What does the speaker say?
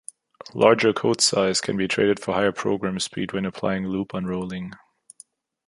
Larger code size can be traded for higher program speed when applying loop unrolling.